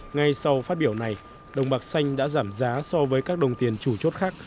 ngay sau phát biểu này đồng bạc xanh đã giảm giá so với các đồng tiền chủ chốt khác